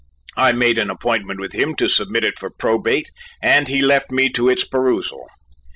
I made an appointment with him to submit it for probate, and he left me to its perusal.